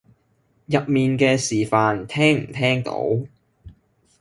入面嘅示範聽唔聽到？